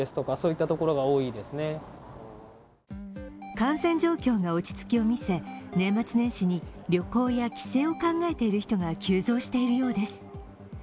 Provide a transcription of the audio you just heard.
感染状況が落ち着きを見せ年末年始に旅行や帰省を考えている人が急増しているようです。